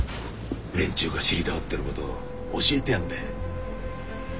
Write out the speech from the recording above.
連中が知りたがってることを教えてやるんだ。